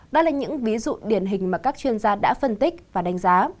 đây là những ví dụ điển hình mà các chuyên gia đã phân tích và đánh giá